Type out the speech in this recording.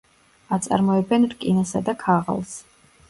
აწარმოებენ რკინასა და ქაღალდს.